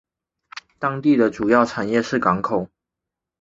当地的主要产业是港口。